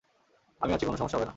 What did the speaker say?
আমি আছি, কোন সমস্যা হবে না।